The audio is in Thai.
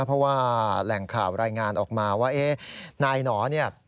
เพราะว่าแหล่งข่าวรายงานออกมาว่าเอ๊ะนายหนอเนี่ย